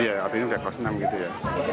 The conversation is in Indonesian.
iya tapi ini udah kelas enam gitu ya